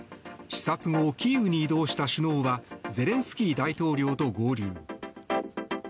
視察後キーウに移動した首脳はゼレンスキー大統領と合流。